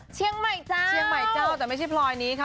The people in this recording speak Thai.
เชียงใหม่เจ้าแต่ไม่ใช่พลอยนี้ค่ะ